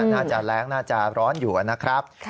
น่าจะแรงน่าจะร้อนอยู่นะครับ